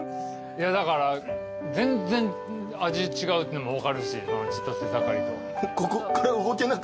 いやだから全然味違うっていうのも分かるしチトセザカリと。